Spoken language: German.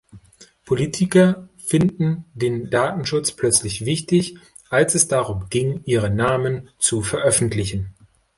Politiker finden den Datenschutz plötzlich wichtig, als es darum ging, ihre Namen zu veröffentlichen.